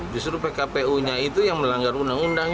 justru pkpu nya itu yang melanggar undang undang